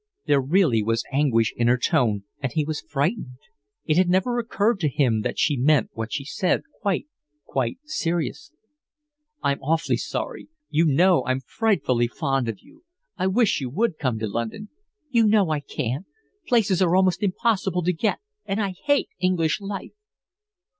There really was anguish in her tone, and he was frightened. It had never occurred to him that she meant what she said quite, quite seriously. "I'm awfully sorry. You know I'm frightfully fond of you. I wish you would come to London." "You know I can't. Places are almost impossible to get, and I hate English life."